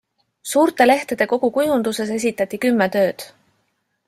Suurte lehtede kogu kujunduses esitati kümme tööd.